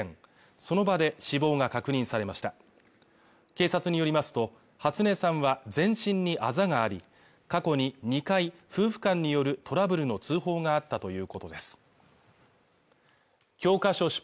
その場で死亡が確認されました警察によりますと初音さんは全身にあざがあり過去に２回夫婦間によるトラブルの通報があったということです